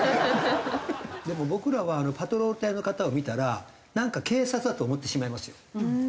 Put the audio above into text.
でも僕らはパトロール隊の方を見たらなんか警察だと思ってしまいますよ。